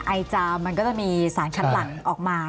ไอจามมันก็จะมีสารคัดหลังออกมา